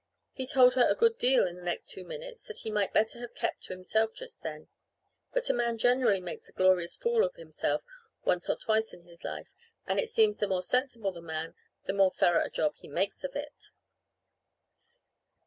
He told her a good deal in the next two minutes that he might better have kept to himself just then. But a man generally makes a glorious fool of himself once or twice in his life and it seems the more sensible the man the more thorough a job he makes of it.